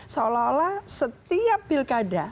seolah olah setiap pilkada